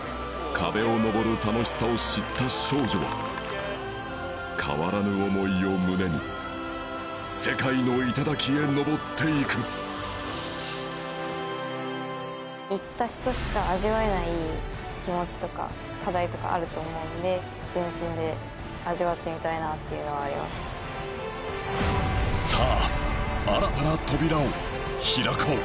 壁を登る楽しさを知った少女は変わらぬ思いを胸に世界の頂へ登っていく行った人しか味わえない気持ちとか課題とかあると思うので全身で味わってみたいなというのはありますさあ新たな扉を開こう